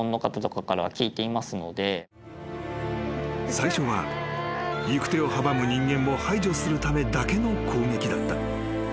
［最初は行く手を阻む人間を排除するためだけの攻撃だった］